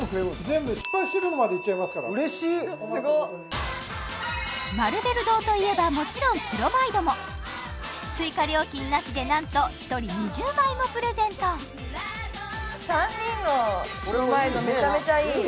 全部失敗してるのまでいっちゃいますから嬉しいっすごっマルベル堂といえばもちろんプロマイドも追加料金なしで何と１人２０枚もプレゼント３人のプロマイドめちゃめちゃいい